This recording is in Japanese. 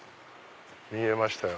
見えましたよ。